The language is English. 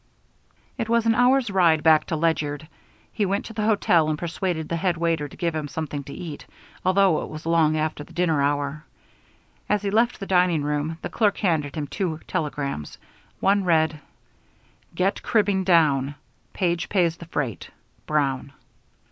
It was an hour's ride back to Ledyard. He went to the hotel and persuaded the head waiter to give him something to eat, although it was long after the dinner hour. As he left the dining room, the clerk handed him two telegrams. One read: Get cribbing down. Page pays the freight. BROWN.